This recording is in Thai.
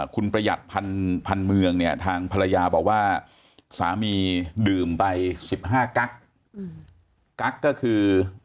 คุณประหยัดพันเมืองเนี่ยทางภรรยาบอกว่าสามีดื่มไป๑๕กั๊กกั๊กก็คือ